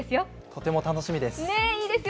とても楽しみです。